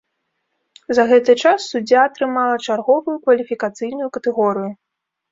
За гэты час суддзя атрымала чарговую кваліфікацыйную катэгорыю.